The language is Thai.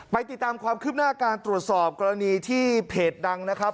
ติดตามความคืบหน้าการตรวจสอบกรณีที่เพจดังนะครับ